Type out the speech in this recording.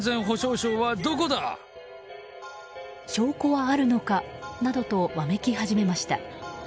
証拠はあるのか？などとわめき始めました。